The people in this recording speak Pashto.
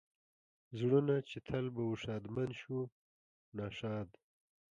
زړونه چې تل به و ښادمن شو ناښاد.